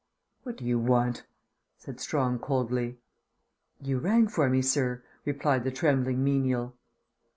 "What do you want?" said Strong coldly. "You rang for me, sir," replied the trembling menial.